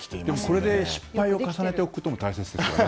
これで失敗を重ねておくことも大切ですよね。